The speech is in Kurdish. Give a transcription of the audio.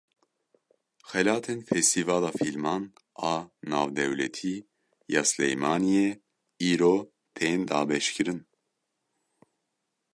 Xelatên Festîvala Fîlman a Navdewletî ya Silêmaniyê îro tên dabeşkirin.